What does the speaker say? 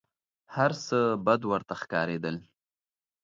هر څه بد ورته ښکارېدل .